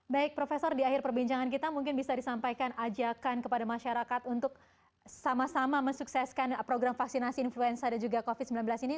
baik profesor di akhir perbincangan kita mungkin bisa disampaikan ajakan kepada masyarakat untuk sama sama mensukseskan program vaksinasi influenza dan juga covid sembilan belas ini